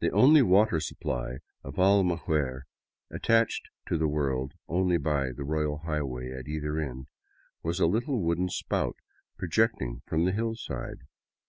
The only water supply of Almaguer, attached to the world only by the " royal highway " at either end, was a little wooden spout project ing from the hillside.